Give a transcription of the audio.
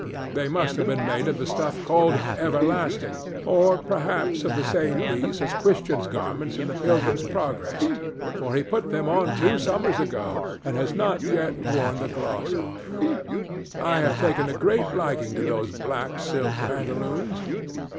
They must have been made of the stuff called "everlasting," or perhaps of the same piece as Christian's garments in the Pilgrim's Progress, for he put them on two summers ago and has not yet worn the gloss off. I have taken a great liking to those black silk pantaloons.